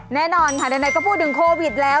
แน่นอนค่ะไหนก็พูดถึงโควิดแล้ว